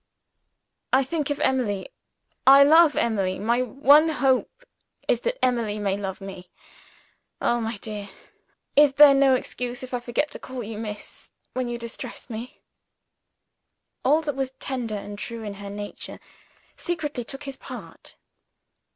"I think of Emily I love Emily my one hope is that Emily may love me. Oh, my dear, is there no excuse if I forget to call you 'Miss' when you distress me?" All that was tender and true in her nature secretly took his part.